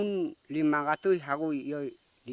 kami mengingatkan kepada tuhan